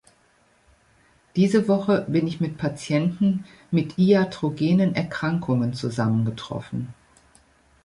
Diese Woche bin ich mit Patienten mit iatrogenen Erkrankungen zusammengetroffen.